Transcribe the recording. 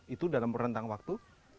itu dalam rentang waktu